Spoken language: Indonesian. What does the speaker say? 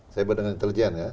cyber dengan intelijen ya